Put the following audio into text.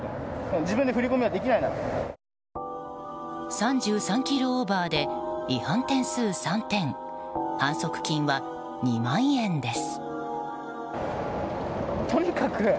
３３キロオーバーで違反点数３点反則金は２万円です。